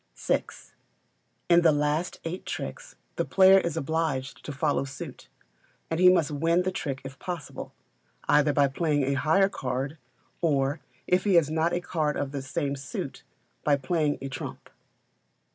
vi. In the last eight tricks the player is obliged to follow suit, and he must win the trick if possible, either by playing a higher card, or, if he has not a card of the same suit, by playing a trump.